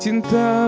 cinta bersama aku